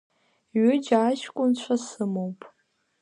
Ҩыџьа аҷкәынцәа сымоуп.